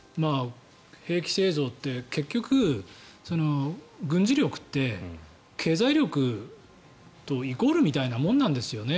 兵器製造って結局、軍事力って経済力とイコールみたいなものなんですよね。